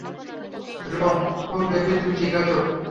Rohu baby, তুমি ঠিক আছো?